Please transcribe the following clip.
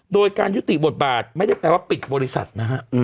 โดยการยุติบทบาทไม่ได้แปลว่าปิดบริษัทนะฮะ